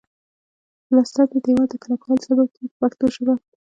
پلستر د دېوال د کلکوالي سبب کیږي په پښتو ژبه.